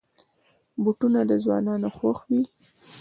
بوټونه د ځوانانو خوښ وي.